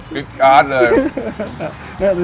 พลิกชาติเลย